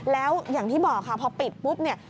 แล้วอย่างที่บอกค่ะพอปิดปุ๊บเนี่ย